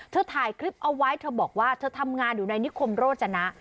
ถ่ายคลิปเอาไว้เธอบอกว่าเธอทำงานอยู่ในนิคมโรจนะ